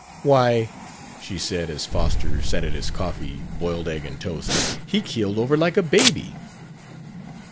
"Why," she said, as Foster sat at his coffee, boiled egg and toast, "he keeled over like a baby."